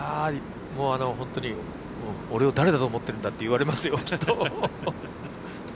本当に俺を誰だと思ってるんだって言われますよ、きっと。